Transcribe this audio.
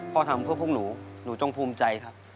ทำเพื่อพวกหนูหนูจงภูมิใจครับ